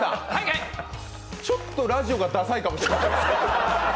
ちょっとラジオがダサいかもしれません。